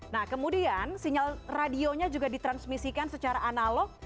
nah kemudian sinyal radionya juga ditransmisikan secara analog